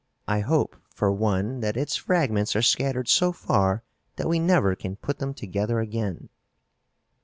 I hope, for one, that its fragments are scattered so far that we never can put them together again."